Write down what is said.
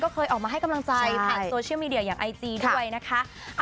เคยออกมาให้กำลังใจผ่านโซเชียลมีเดียอย่างไอจีด้วยนะคะ